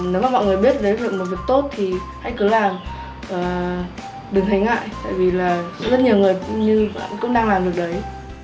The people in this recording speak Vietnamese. nếu mà mọi người biết đấy là một việc tốt thì hãy cứ làm và đừng thấy ngại tại vì là rất nhiều người cũng như bạn cũng đang làm được việc này